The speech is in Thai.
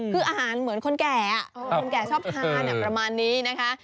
คืออาหารเหมือนคนแก่คนแก่ชอบทานประมาณนี้นะคะ